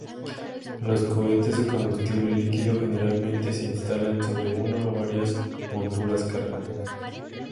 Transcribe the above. Los cohetes de combustible líquido generalmente se instalan sobre una o varias monturas cardán.